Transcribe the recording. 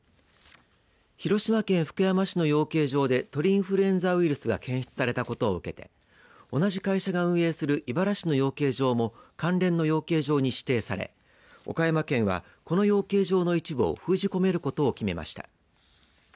広島県福山市の養鶏場で鳥インフルエンザウイルスが検出されたことを受けて同じ会社が運営する井原市の養鶏場も関連の養鶏場に指定され岡山県は、この養鶏場の一部を封じ込めることを決めました。